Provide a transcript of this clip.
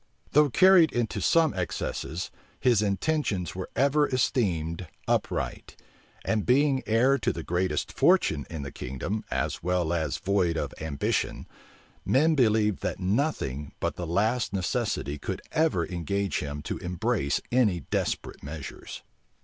Though carried into some excesses, his intentions were ever esteemed upright; and being heir to the greatest fortune in the kingdom, as well as void of ambition, men believed that nothing but the last necessity could ever engage him to embrace any desperate measures.